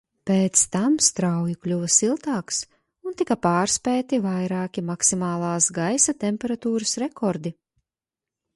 Pēc tam strauji kļuva siltāks, un tika pārspēti vairāki maksimālās gaisa temperatūras rekordi.